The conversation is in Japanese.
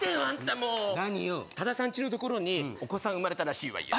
もう何よタダさんちのところにお子さん生まれたらしいわよ